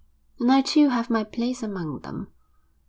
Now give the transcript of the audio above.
And I too have my place among them.